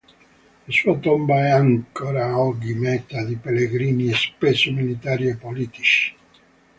La sua tomba è ancora oggi meta di pellegrini, spesso militari e politici.